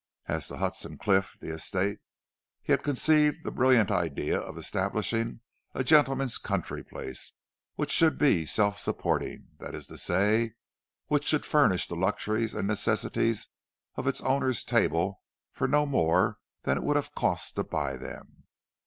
As to Hudson Cliff, the estate, he had conceived the brilliant idea of establishing a gentleman's country place which should be self supporting—that is to say, which should furnish the luxuries and necessities of its owner's table for no more than it would have cost to buy them.